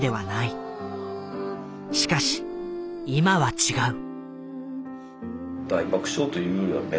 しかし今は違う。